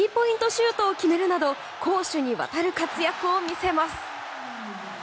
シュートを決めるなど攻守にわたる活躍を見せます。